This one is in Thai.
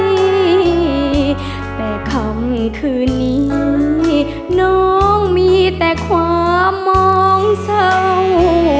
แต่คำคืนนี้น้องมีแต่ความมองเศร้า